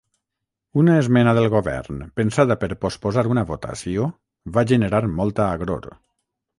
Una esmena del govern pensada per posposar una votació va generar molta agror.